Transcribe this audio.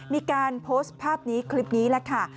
มีการโพสต์ภาพนี้คลิปนี้แหละค่ะ